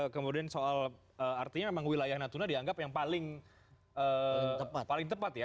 kemudian soal artinya memang wilayah natuna dianggap yang paling tepat ya